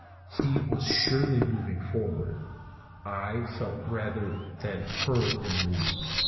He was surely moving forward. I felt rather than heard him move.